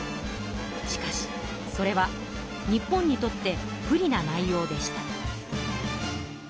しかしそれは日本にとって不利な内容でした。